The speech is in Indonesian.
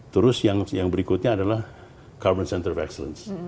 terus yang berikutnya adalah carbon center of excellence